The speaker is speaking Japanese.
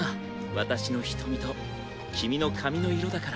私の瞳と君の髪の色だから。